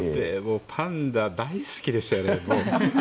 パンダ大好きでしたよね。